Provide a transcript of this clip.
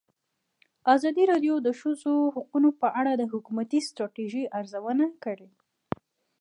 ازادي راډیو د د ښځو حقونه په اړه د حکومتي ستراتیژۍ ارزونه کړې.